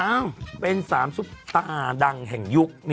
อ้าวเป็นสามซุปตาดังแห่งยุค